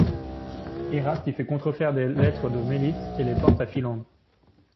Eraste y fait contrefaire des lettre de Mélite, et les porter à Philandre.